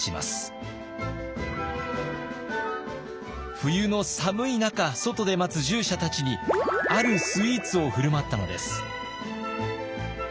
冬の寒い中外で待つ従者たちにあるスイーツを振る舞ったのです。